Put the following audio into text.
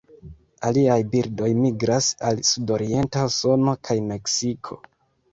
Aliaj birdoj migras al sudorienta Usono kaj Meksiko.